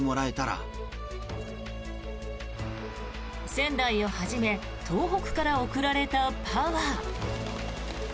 仙台をはじめ東北から送られたパワー。